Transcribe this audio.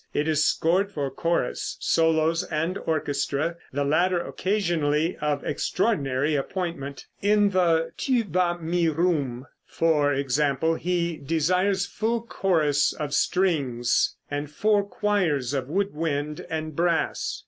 It is scored for chorus, solos and orchestra, the latter occasionally of extraordinary appointment. In the "Tuba Mirum," for example, he desires full chorus of strings, and four choirs of wood wind and brass.